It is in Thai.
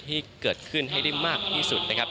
ที่เกิดขึ้นให้ได้มากที่สุดนะครับ